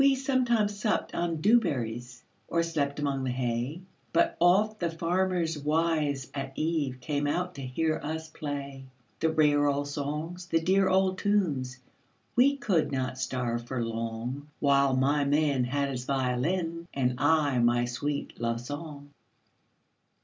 We sometimes supped on dew berries, Or slept among the hay, But oft the farmers' wives at eveCame out to hear us play; The rare old songs, the dear old tunes,—We could not starve for longWhile my man had his violin, And I my sweet love song.